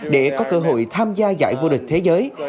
để có cơ hội tham gia giải vô địch thế giới